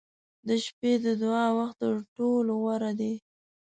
• د شپې د دعا وخت تر ټولو غوره دی.